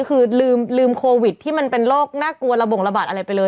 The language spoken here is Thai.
คือลืมโควิดที่มันเป็นโรคน่ากลัวระบงระบาดอะไรไปเลย